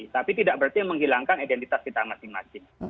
tapi tidak berarti menghilangkan identitas kita masing masing